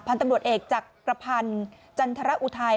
พันธุ์ตำรวจเอกจากประพันธ์จันทรอุทัย